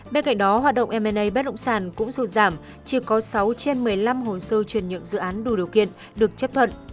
bên cạnh đó hoạt động m a bất động sản cũng sụt giảm chưa có sáu trên một mươi năm hồ sơ chuyển nhượng dự án đủ điều kiện được chấp thuận